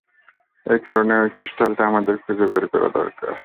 একারণেই ঐ ক্রিস্টালটা আমাদের খুঁজে বের করা দরকার।